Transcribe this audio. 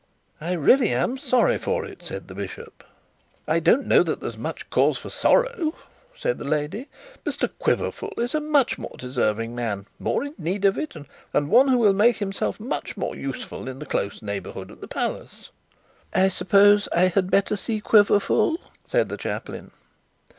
'I really am sorry for it,' said the bishop. 'I don't know that there is much cause for sorrow,' said the lady. 'Mr Quiverful is a much more deserving man, more in need of it, and one who will make himself much more useful in the close neighbourhood of the palace.' 'I suppose I had better see Quiverful?' said the chaplain.